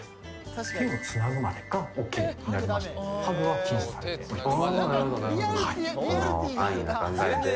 手をつなぐまでがＯＫになりましてハグは禁止されております